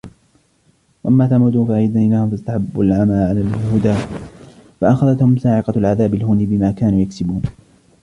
وأما ثمود فهديناهم فاستحبوا العمى على الهدى فأخذتهم صاعقة العذاب الهون بما كانوا يكسبون